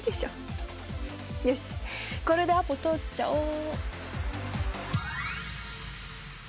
よしこれでアポ取っちゃおう。